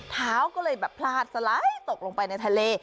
เท้าก็เลยแบบพลาดสไลด์ตกลงไปในทะเล